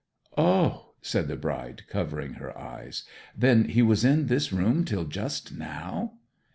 'O!' said the bride, covering her eyes. 'Then he was in this room till just now?'